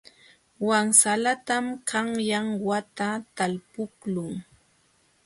Wansalatam qanyan wata talpuqlun.